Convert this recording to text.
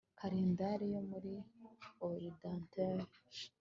Kalendari yo muri orudinateri